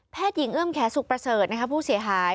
หญิงเอื้อมแขสุขประเสริฐผู้เสียหาย